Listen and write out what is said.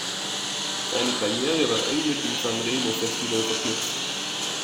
Seine Karriere war eng mit dem Sanremo-Festival verknüpft.